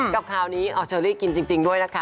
กับคราวนี้เอาเชอรี่กินจริงด้วยนะคะ